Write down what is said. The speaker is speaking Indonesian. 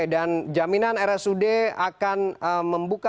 dan jaminan rsud akan membuka